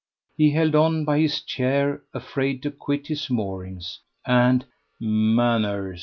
He held on by his chair, afraid to quit his moorings, and "Manners!"